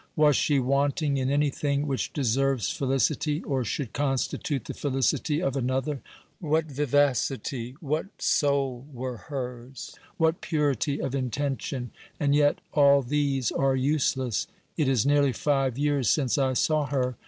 Was she wanting in anything which deserves felicity, or should constitute the felicity of another ? What vivacity, what soul were hers ! What purity of intention ! And yet all these are useless. It is nearly five years since I saw her.